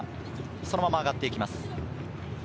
そのまま上がっていきます。